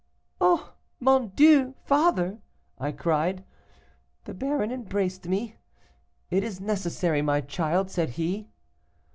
'Oh! mon Dieu! father,' I cried. The baron embraced me. 'It is necessary, my child,' said he.